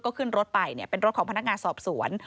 ก็ขึ้นรถไปเป็นรถของพนักงานสอบสวน